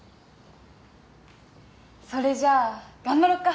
それじゃ頑張ろっか！